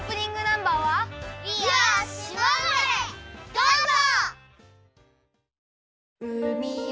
どうぞ！